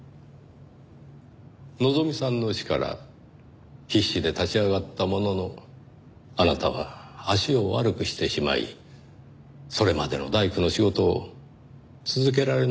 のぞみさんの死から必死で立ち上がったもののあなたは足を悪くしてしまいそれまでの大工の仕事を続けられなくなりましたねぇ。